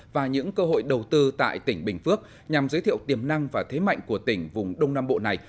và những cơ hội đầu tư tại tỉnh bình phước nhằm giới thiệu tiềm năng và thế mạnh của tỉnh vùng đông nam bộ này